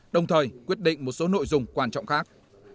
đồng thời quyết định một số nội dung quan trọng khác